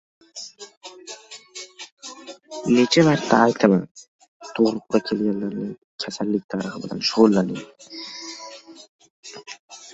Necha marta aytaman, tug`ruqqa kelganlarning kasallik tarixi bilan shug`ullaning